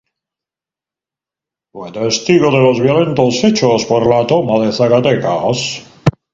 Fue testigo de los violentos hechos por la Toma de Zacatecas.